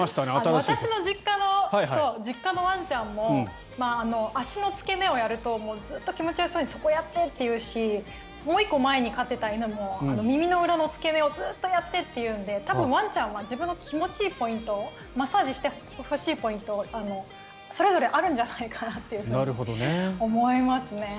私の実家のワンちゃんも足の付け根をやるとずっと気持ちよさそうにそこやって！って言うしもう１個前に飼っていた犬も耳の付け根の後ろをずっとやってというので多分、ワンちゃんは自分の気持ちいポイントマッサージしてほしいポイントがそれぞれあるんじゃないかなっていうふうに思いますね。